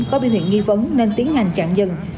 có biên huyện nghi vấn nên tiến hành chặn dừng